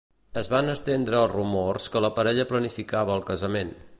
Es van estendre els rumors que la parella planificava el casament.